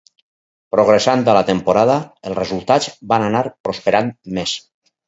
Progressant a la temporada, els resultats van anar prosperant més.